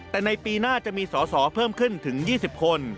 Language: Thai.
แต่ในปีหน้าจะมีสอสอเพิ่มขึ้นถึง๒๐คน